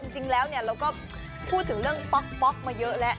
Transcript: จริงแล้วเราก็พูดถึงเรื่องป๊อกมาเยอะแล้ว